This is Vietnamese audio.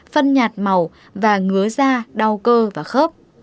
phân nhạt màu và ngứa da đau cơ và khớp